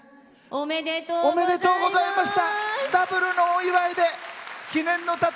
おめでとうございます。